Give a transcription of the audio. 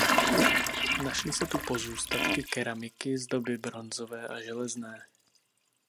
Našly se tu pozůstatky keramiky z doby bronzové a železné.